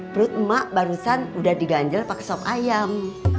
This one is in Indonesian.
perut emak barusan udah diganjel pakai sop ayam